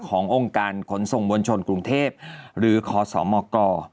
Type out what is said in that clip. ขององค์การขนส่งมวลชนกรุงเทพหรือขอสมก